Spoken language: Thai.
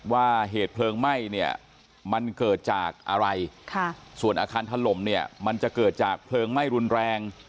ว่าเหตุเพลิงไหม้เนี่ยมันเกิดจากอะไรส่วนอาคารถล่มเนี่ยมันจะเกิดจากเพลิงไหม้รุนแรง